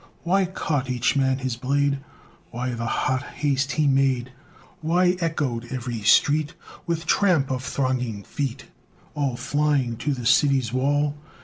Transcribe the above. Why caught each man his blade? Why the hot haste he made? Why echoed every street With tramp of thronging feet All flying to the city's wall?